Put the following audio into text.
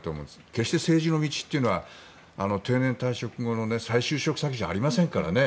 決して政治の道というのは定年退職後の再就職先じゃありませんからね。